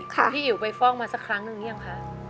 พี่อิ๋วไปฟอกมาสักครั้งนึงยังค่ะ